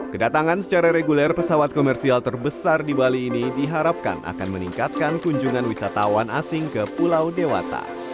kedatangan secara reguler pesawat komersial terbesar di bali ini diharapkan akan meningkatkan kunjungan wisatawan asing ke pulau dewata